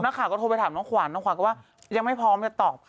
นักข่าวก็โทรไปถามน้องขวัญน้องขวัญก็ว่ายังไม่พร้อมจะตอบ